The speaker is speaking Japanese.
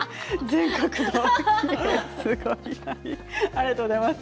ありがとうございます。